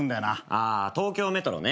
あ東京メトロね。